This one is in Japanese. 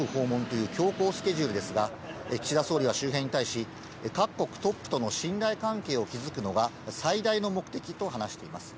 １週間で５か国訪問という強行スケジュールですが、岸田総理は周辺に対し、各国トップとの信頼関係を築くのが最大の目的と話しています。